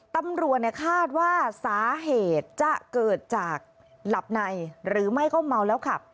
ตำรวจคาดว่าสาเหตุจะเกิดจากหลับในหรือไม่ก็เมาแล้วขับ